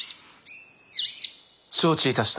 承知いたした。